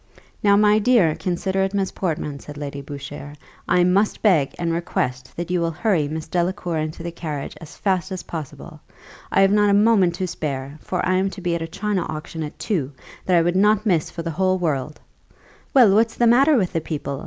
"Now, my dear, considerate Miss Portman," said Lady Boucher, "I must beg, and request that you will hurry Miss Delacour into the carriage as fast as possible. I have not a moment to spare; for I am to be at a china auction at two, that I would not miss for the whole world. Well, what's the matter with the people?